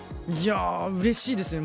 うれしいですね。